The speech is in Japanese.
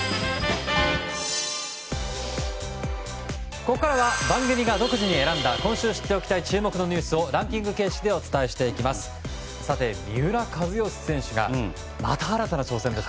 ここからは番組が独自に選んだ今週知っておきたい注目のニュースをランキング形式でお伝えします。